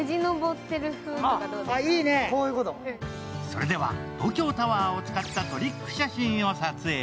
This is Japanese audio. それでは、東京タワーを使ったトリック写真を撮影。